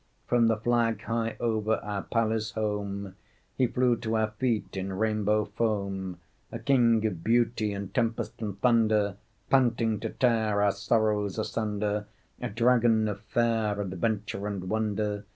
From the flag high over our palace home He flew to our feet in rainbow foam A king of beauty and tempest and thunder Panting to tear our sorrows asunder. A dragon of fair adventure and wonder.